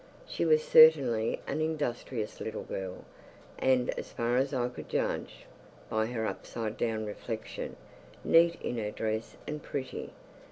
She was certainly an industrious little girl, and, as far as I could judge by her upside down reflection, neat in her dress and pretty.